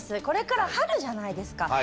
これから春じゃないですか。